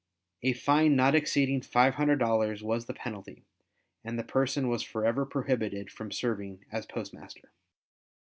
A fine not exceeding $500 was the penalty and the person was forever prohibited from serving as postmaster.